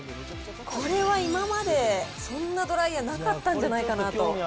これは今まで、そんなドライヤーなかったんじゃないかなと。